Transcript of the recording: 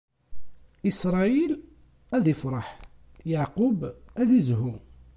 Isṛayil ad ifreḥ, Yeɛqub ad izhu.